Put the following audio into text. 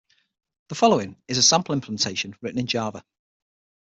The following is a sample implementation written in Java.